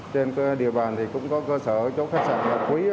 trên địa bàn cũng có cơ sở chống khách sạn quý